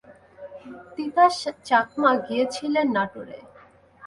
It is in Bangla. তিতাস চাকমা গিয়েছিলেন নাটোরে।